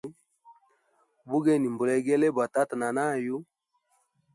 Bugeni mbulegele bwa tata na nayu.